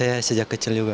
saya sejak kecil juga